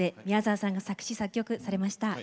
宮沢さんが作詞・作曲されました。